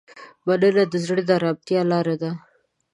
مننه د زړه د ارامتیا لاره ده.